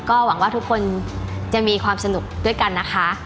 ก็หวังว่าทุกคนจะมีความสนุกด้วยกันนะคะ